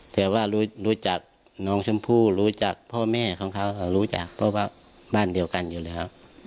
แต่ว่ารู้จักน้องชมพู่รู้จักพ่อแม่ของเขารู้จักเพราะว่าบ้านเดียวกันอยู่แล้ว